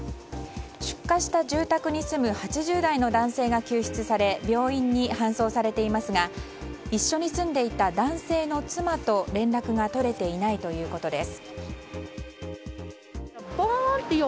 出火した住宅に住む８０代の男性が救出され病院に搬送されていますが一緒に住んでいた男性の妻と連絡が取れていないということです。